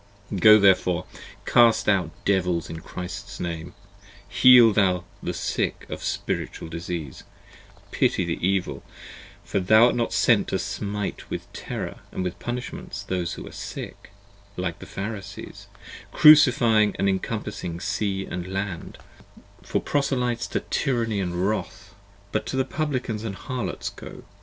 65 Go therefore, cast out devils in Christ's name, Heal thou the sick of spiritual disease, Pity the evil, for thou art not sent To smite with terror & with punishments Those that are sick, like to the Pharisees, 70 Crucifying, & encompassing sea & land For proselytes to tyranny & wrath. (But to the Publicans & Harlots go!